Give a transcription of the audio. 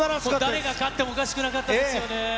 誰が勝ってもおかしくなかったですよね。